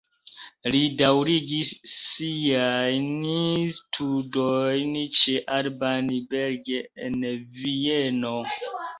Li daŭrigis siajn studojn ĉe Alban Berg en Vieno.